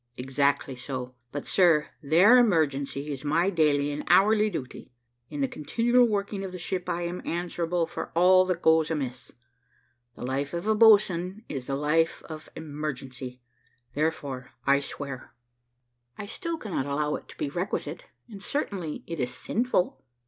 "Exactly so; but, sir, their 'mergency is my daily and hourly duty. In the continual working of the ship I am answerable for all that goes amiss. The life of a boatswain is a life of 'mergency, and therefore I swear." "I still cannot allow it to be requisite, and certainly it is sinful."